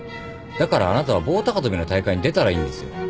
だからあなたは棒高跳びの大会に出たらいいんですよ。